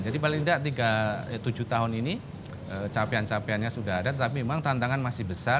jadi paling tidak tiga tujuh tahun ini capaian capeannya sudah ada tetapi memang tantangan masih besar